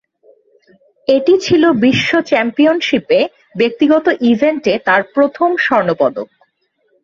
এটি ছিল বিশ্ব চ্যাম্পিয়নশিপে ব্যক্তিগত ইভেন্টে তার প্রথম স্বর্ণ পদক।